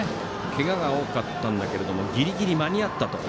けがが多かったんだけれどもギリギリ間に合ったと。